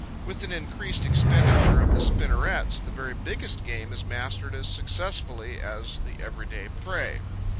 With an increased expenditure of the spinnerets, the very biggest game is mastered as successfully as the everyday prey.